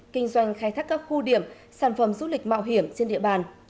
kinh doanh khai thác các khu điểm sản phẩm du lịch mạo hiểm trên địa bàn